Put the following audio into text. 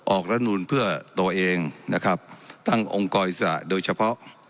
รัฐนูลเพื่อตัวเองนะครับตั้งองค์กรอิสระโดยเฉพาะ